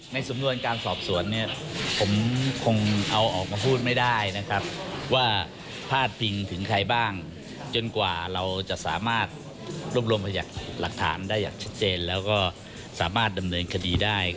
สำนวนการสอบสวนเนี่ยผมคงเอาออกมาพูดไม่ได้นะครับว่าพาดพิงถึงใครบ้างจนกว่าเราจะสามารถรวบรวมพยาหลักฐานได้อย่างชัดเจนแล้วก็สามารถดำเนินคดีได้